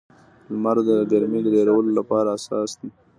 لمر د ګرمۍ ډېرولو لپاره اساس دی.